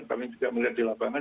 kami juga melihat di lapangan